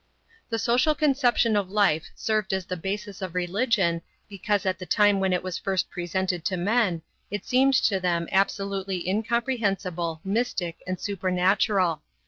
The social conception of life served as the basis of religion because at the time when it was first presented to men it seemed to them absolutely incomprehensible, mystic, and supernatural.